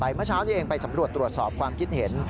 เมื่อเช้านี้เองไปสำรวจตรวจสอบความคิดเห็น